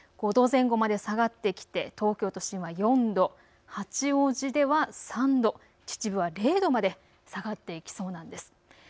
５度前後まで下がってきて東京都心は４度、八王子では３度、秩父は０度まで下がってきそうなんです。